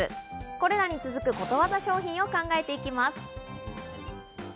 これらに続く、ことわざ商品を考えていきます。